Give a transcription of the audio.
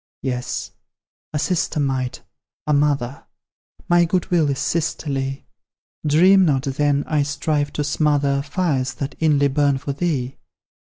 Yes a sister might, a mother: My good will is sisterly: Dream not, then, I strive to smother Fires that inly burn for thee.